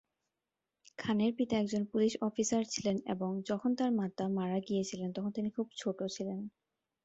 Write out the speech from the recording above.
খানের পিতা একজন পুলিশ অফিসার ছিলেন এবং যখন তার মাতা মারা গিয়েছিলেন তখন তিনি খুব ছোট ছিলেন।